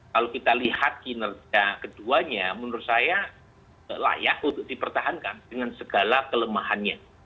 kalau kita lihat kinerja keduanya menurut saya layak untuk dipertahankan dengan segala kelemahannya